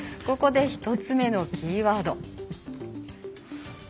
ここで１つ目のキーワード。